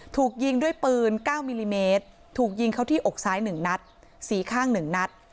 ถูกยิงด้วยปืน๙มิลลิเมตรถูกยิงเขาที่อกซ้าย๑นัดสีข้าง๑นัด